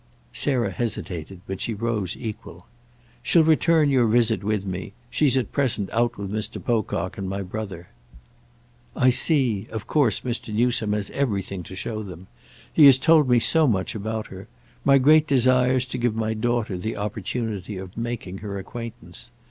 Sarah hesitated, but she rose equal. "She'll return your visit with me. She's at present out with Mr. Pocock and my brother." "I see—of course Mr. Newsome has everything to show them. He has told me so much about her. My great desire's to give my daughter the opportunity of making her acquaintance.